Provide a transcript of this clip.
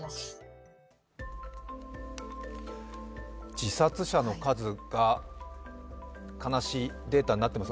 自殺者の数が悲しいデータになっています。